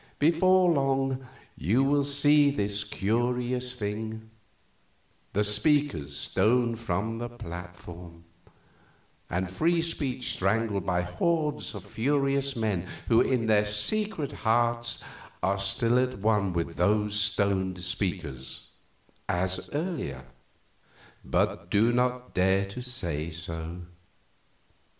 Before long you will see this curious thing: the speakers stoned from the platform, and free speech strangled by hordes of furious men who in their secret hearts are still at one with those stoned speakers as earlier but do not dare to say so.